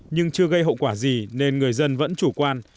nhưng chưa gây hậu quả gì nên người dân vẫn chủ quan